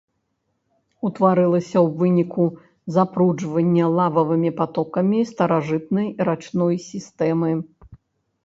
Утварылася ў выніку запруджвання лававымі патокамі старажытнай рачной сістэмы.